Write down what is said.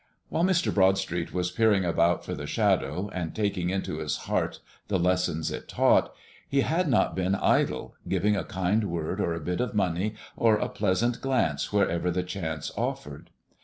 While Mr. Broadstreet was peering about for the Shadow, and taking into his heart the lessons it taught, he had not been idle, giving a kind word or a bit of money or a pleasant glance wherever the chance offered.